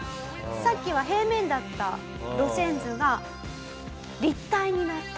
さっきは平面だった路線図が立体になった。